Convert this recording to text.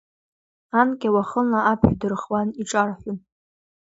Анкьа, уахынла аԥҳә дырхуан, иҿарҳәон.